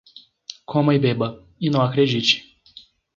Coma e beba, e não acredite.